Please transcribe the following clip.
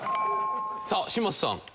さあ嶋佐さん。